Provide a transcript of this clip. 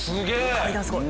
階段すごい。